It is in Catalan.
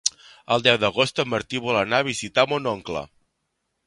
El deu d'agost en Martí vol anar a visitar mon oncle.